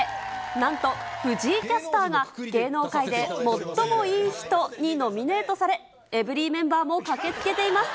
なんと藤井キャスターが、芸能界で最もいい人にノミネートされ、エブリィメンバーも駆けつけています。